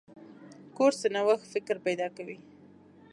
کورس د نوښت فکر پیدا کوي.